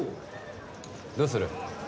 どうする？